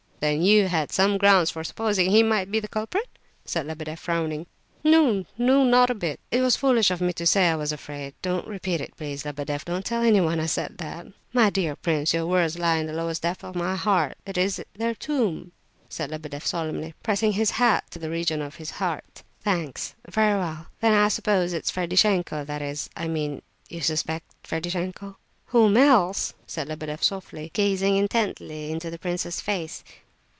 Then you had some grounds for supposing he might be the culprit?" said Lebedeff, frowning. "Oh no—not a bit! It was foolish of me to say I was afraid! Don't repeat it please, Lebedeff, don't tell anyone I said that!" "My dear prince! your words lie in the lowest depth of my heart—it is their tomb!" said Lebedeff, solemnly, pressing his hat to the region of his heart. "Thanks; very well. Then I suppose it's Ferdishenko; that is, I mean, you suspect Ferdishenko?" "Whom else?" said Lebedeff, softly, gazing intently into the prince s face.